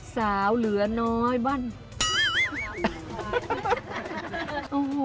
สาวเหลือน้อยบ้าง